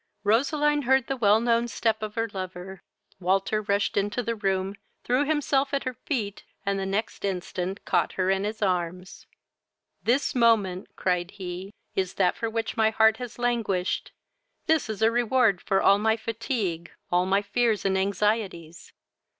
Roseline heard the well known step of her lover. Walter rushed into the room, threw himself at her feet, and the next instant caught her in his arms. "This moment (cried he) is that for which my heart has languished! this is a reward for all my fatigue, all my fears and anxieties!